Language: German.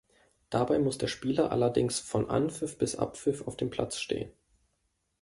Dabei muss der Spieler allerdings von Anpfiff bis Abpfiff auf dem Platz stehen.